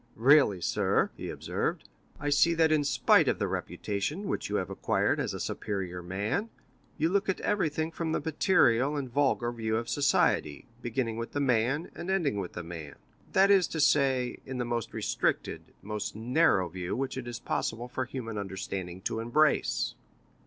"Really, sir," he observed, "I see that in spite of the reputation which you have acquired as a superior man, you look at everything from the material and vulgar view of society, beginning with man, and ending with man—that is to say, in the most restricted, most narrow view which it is possible for human understanding to embrace."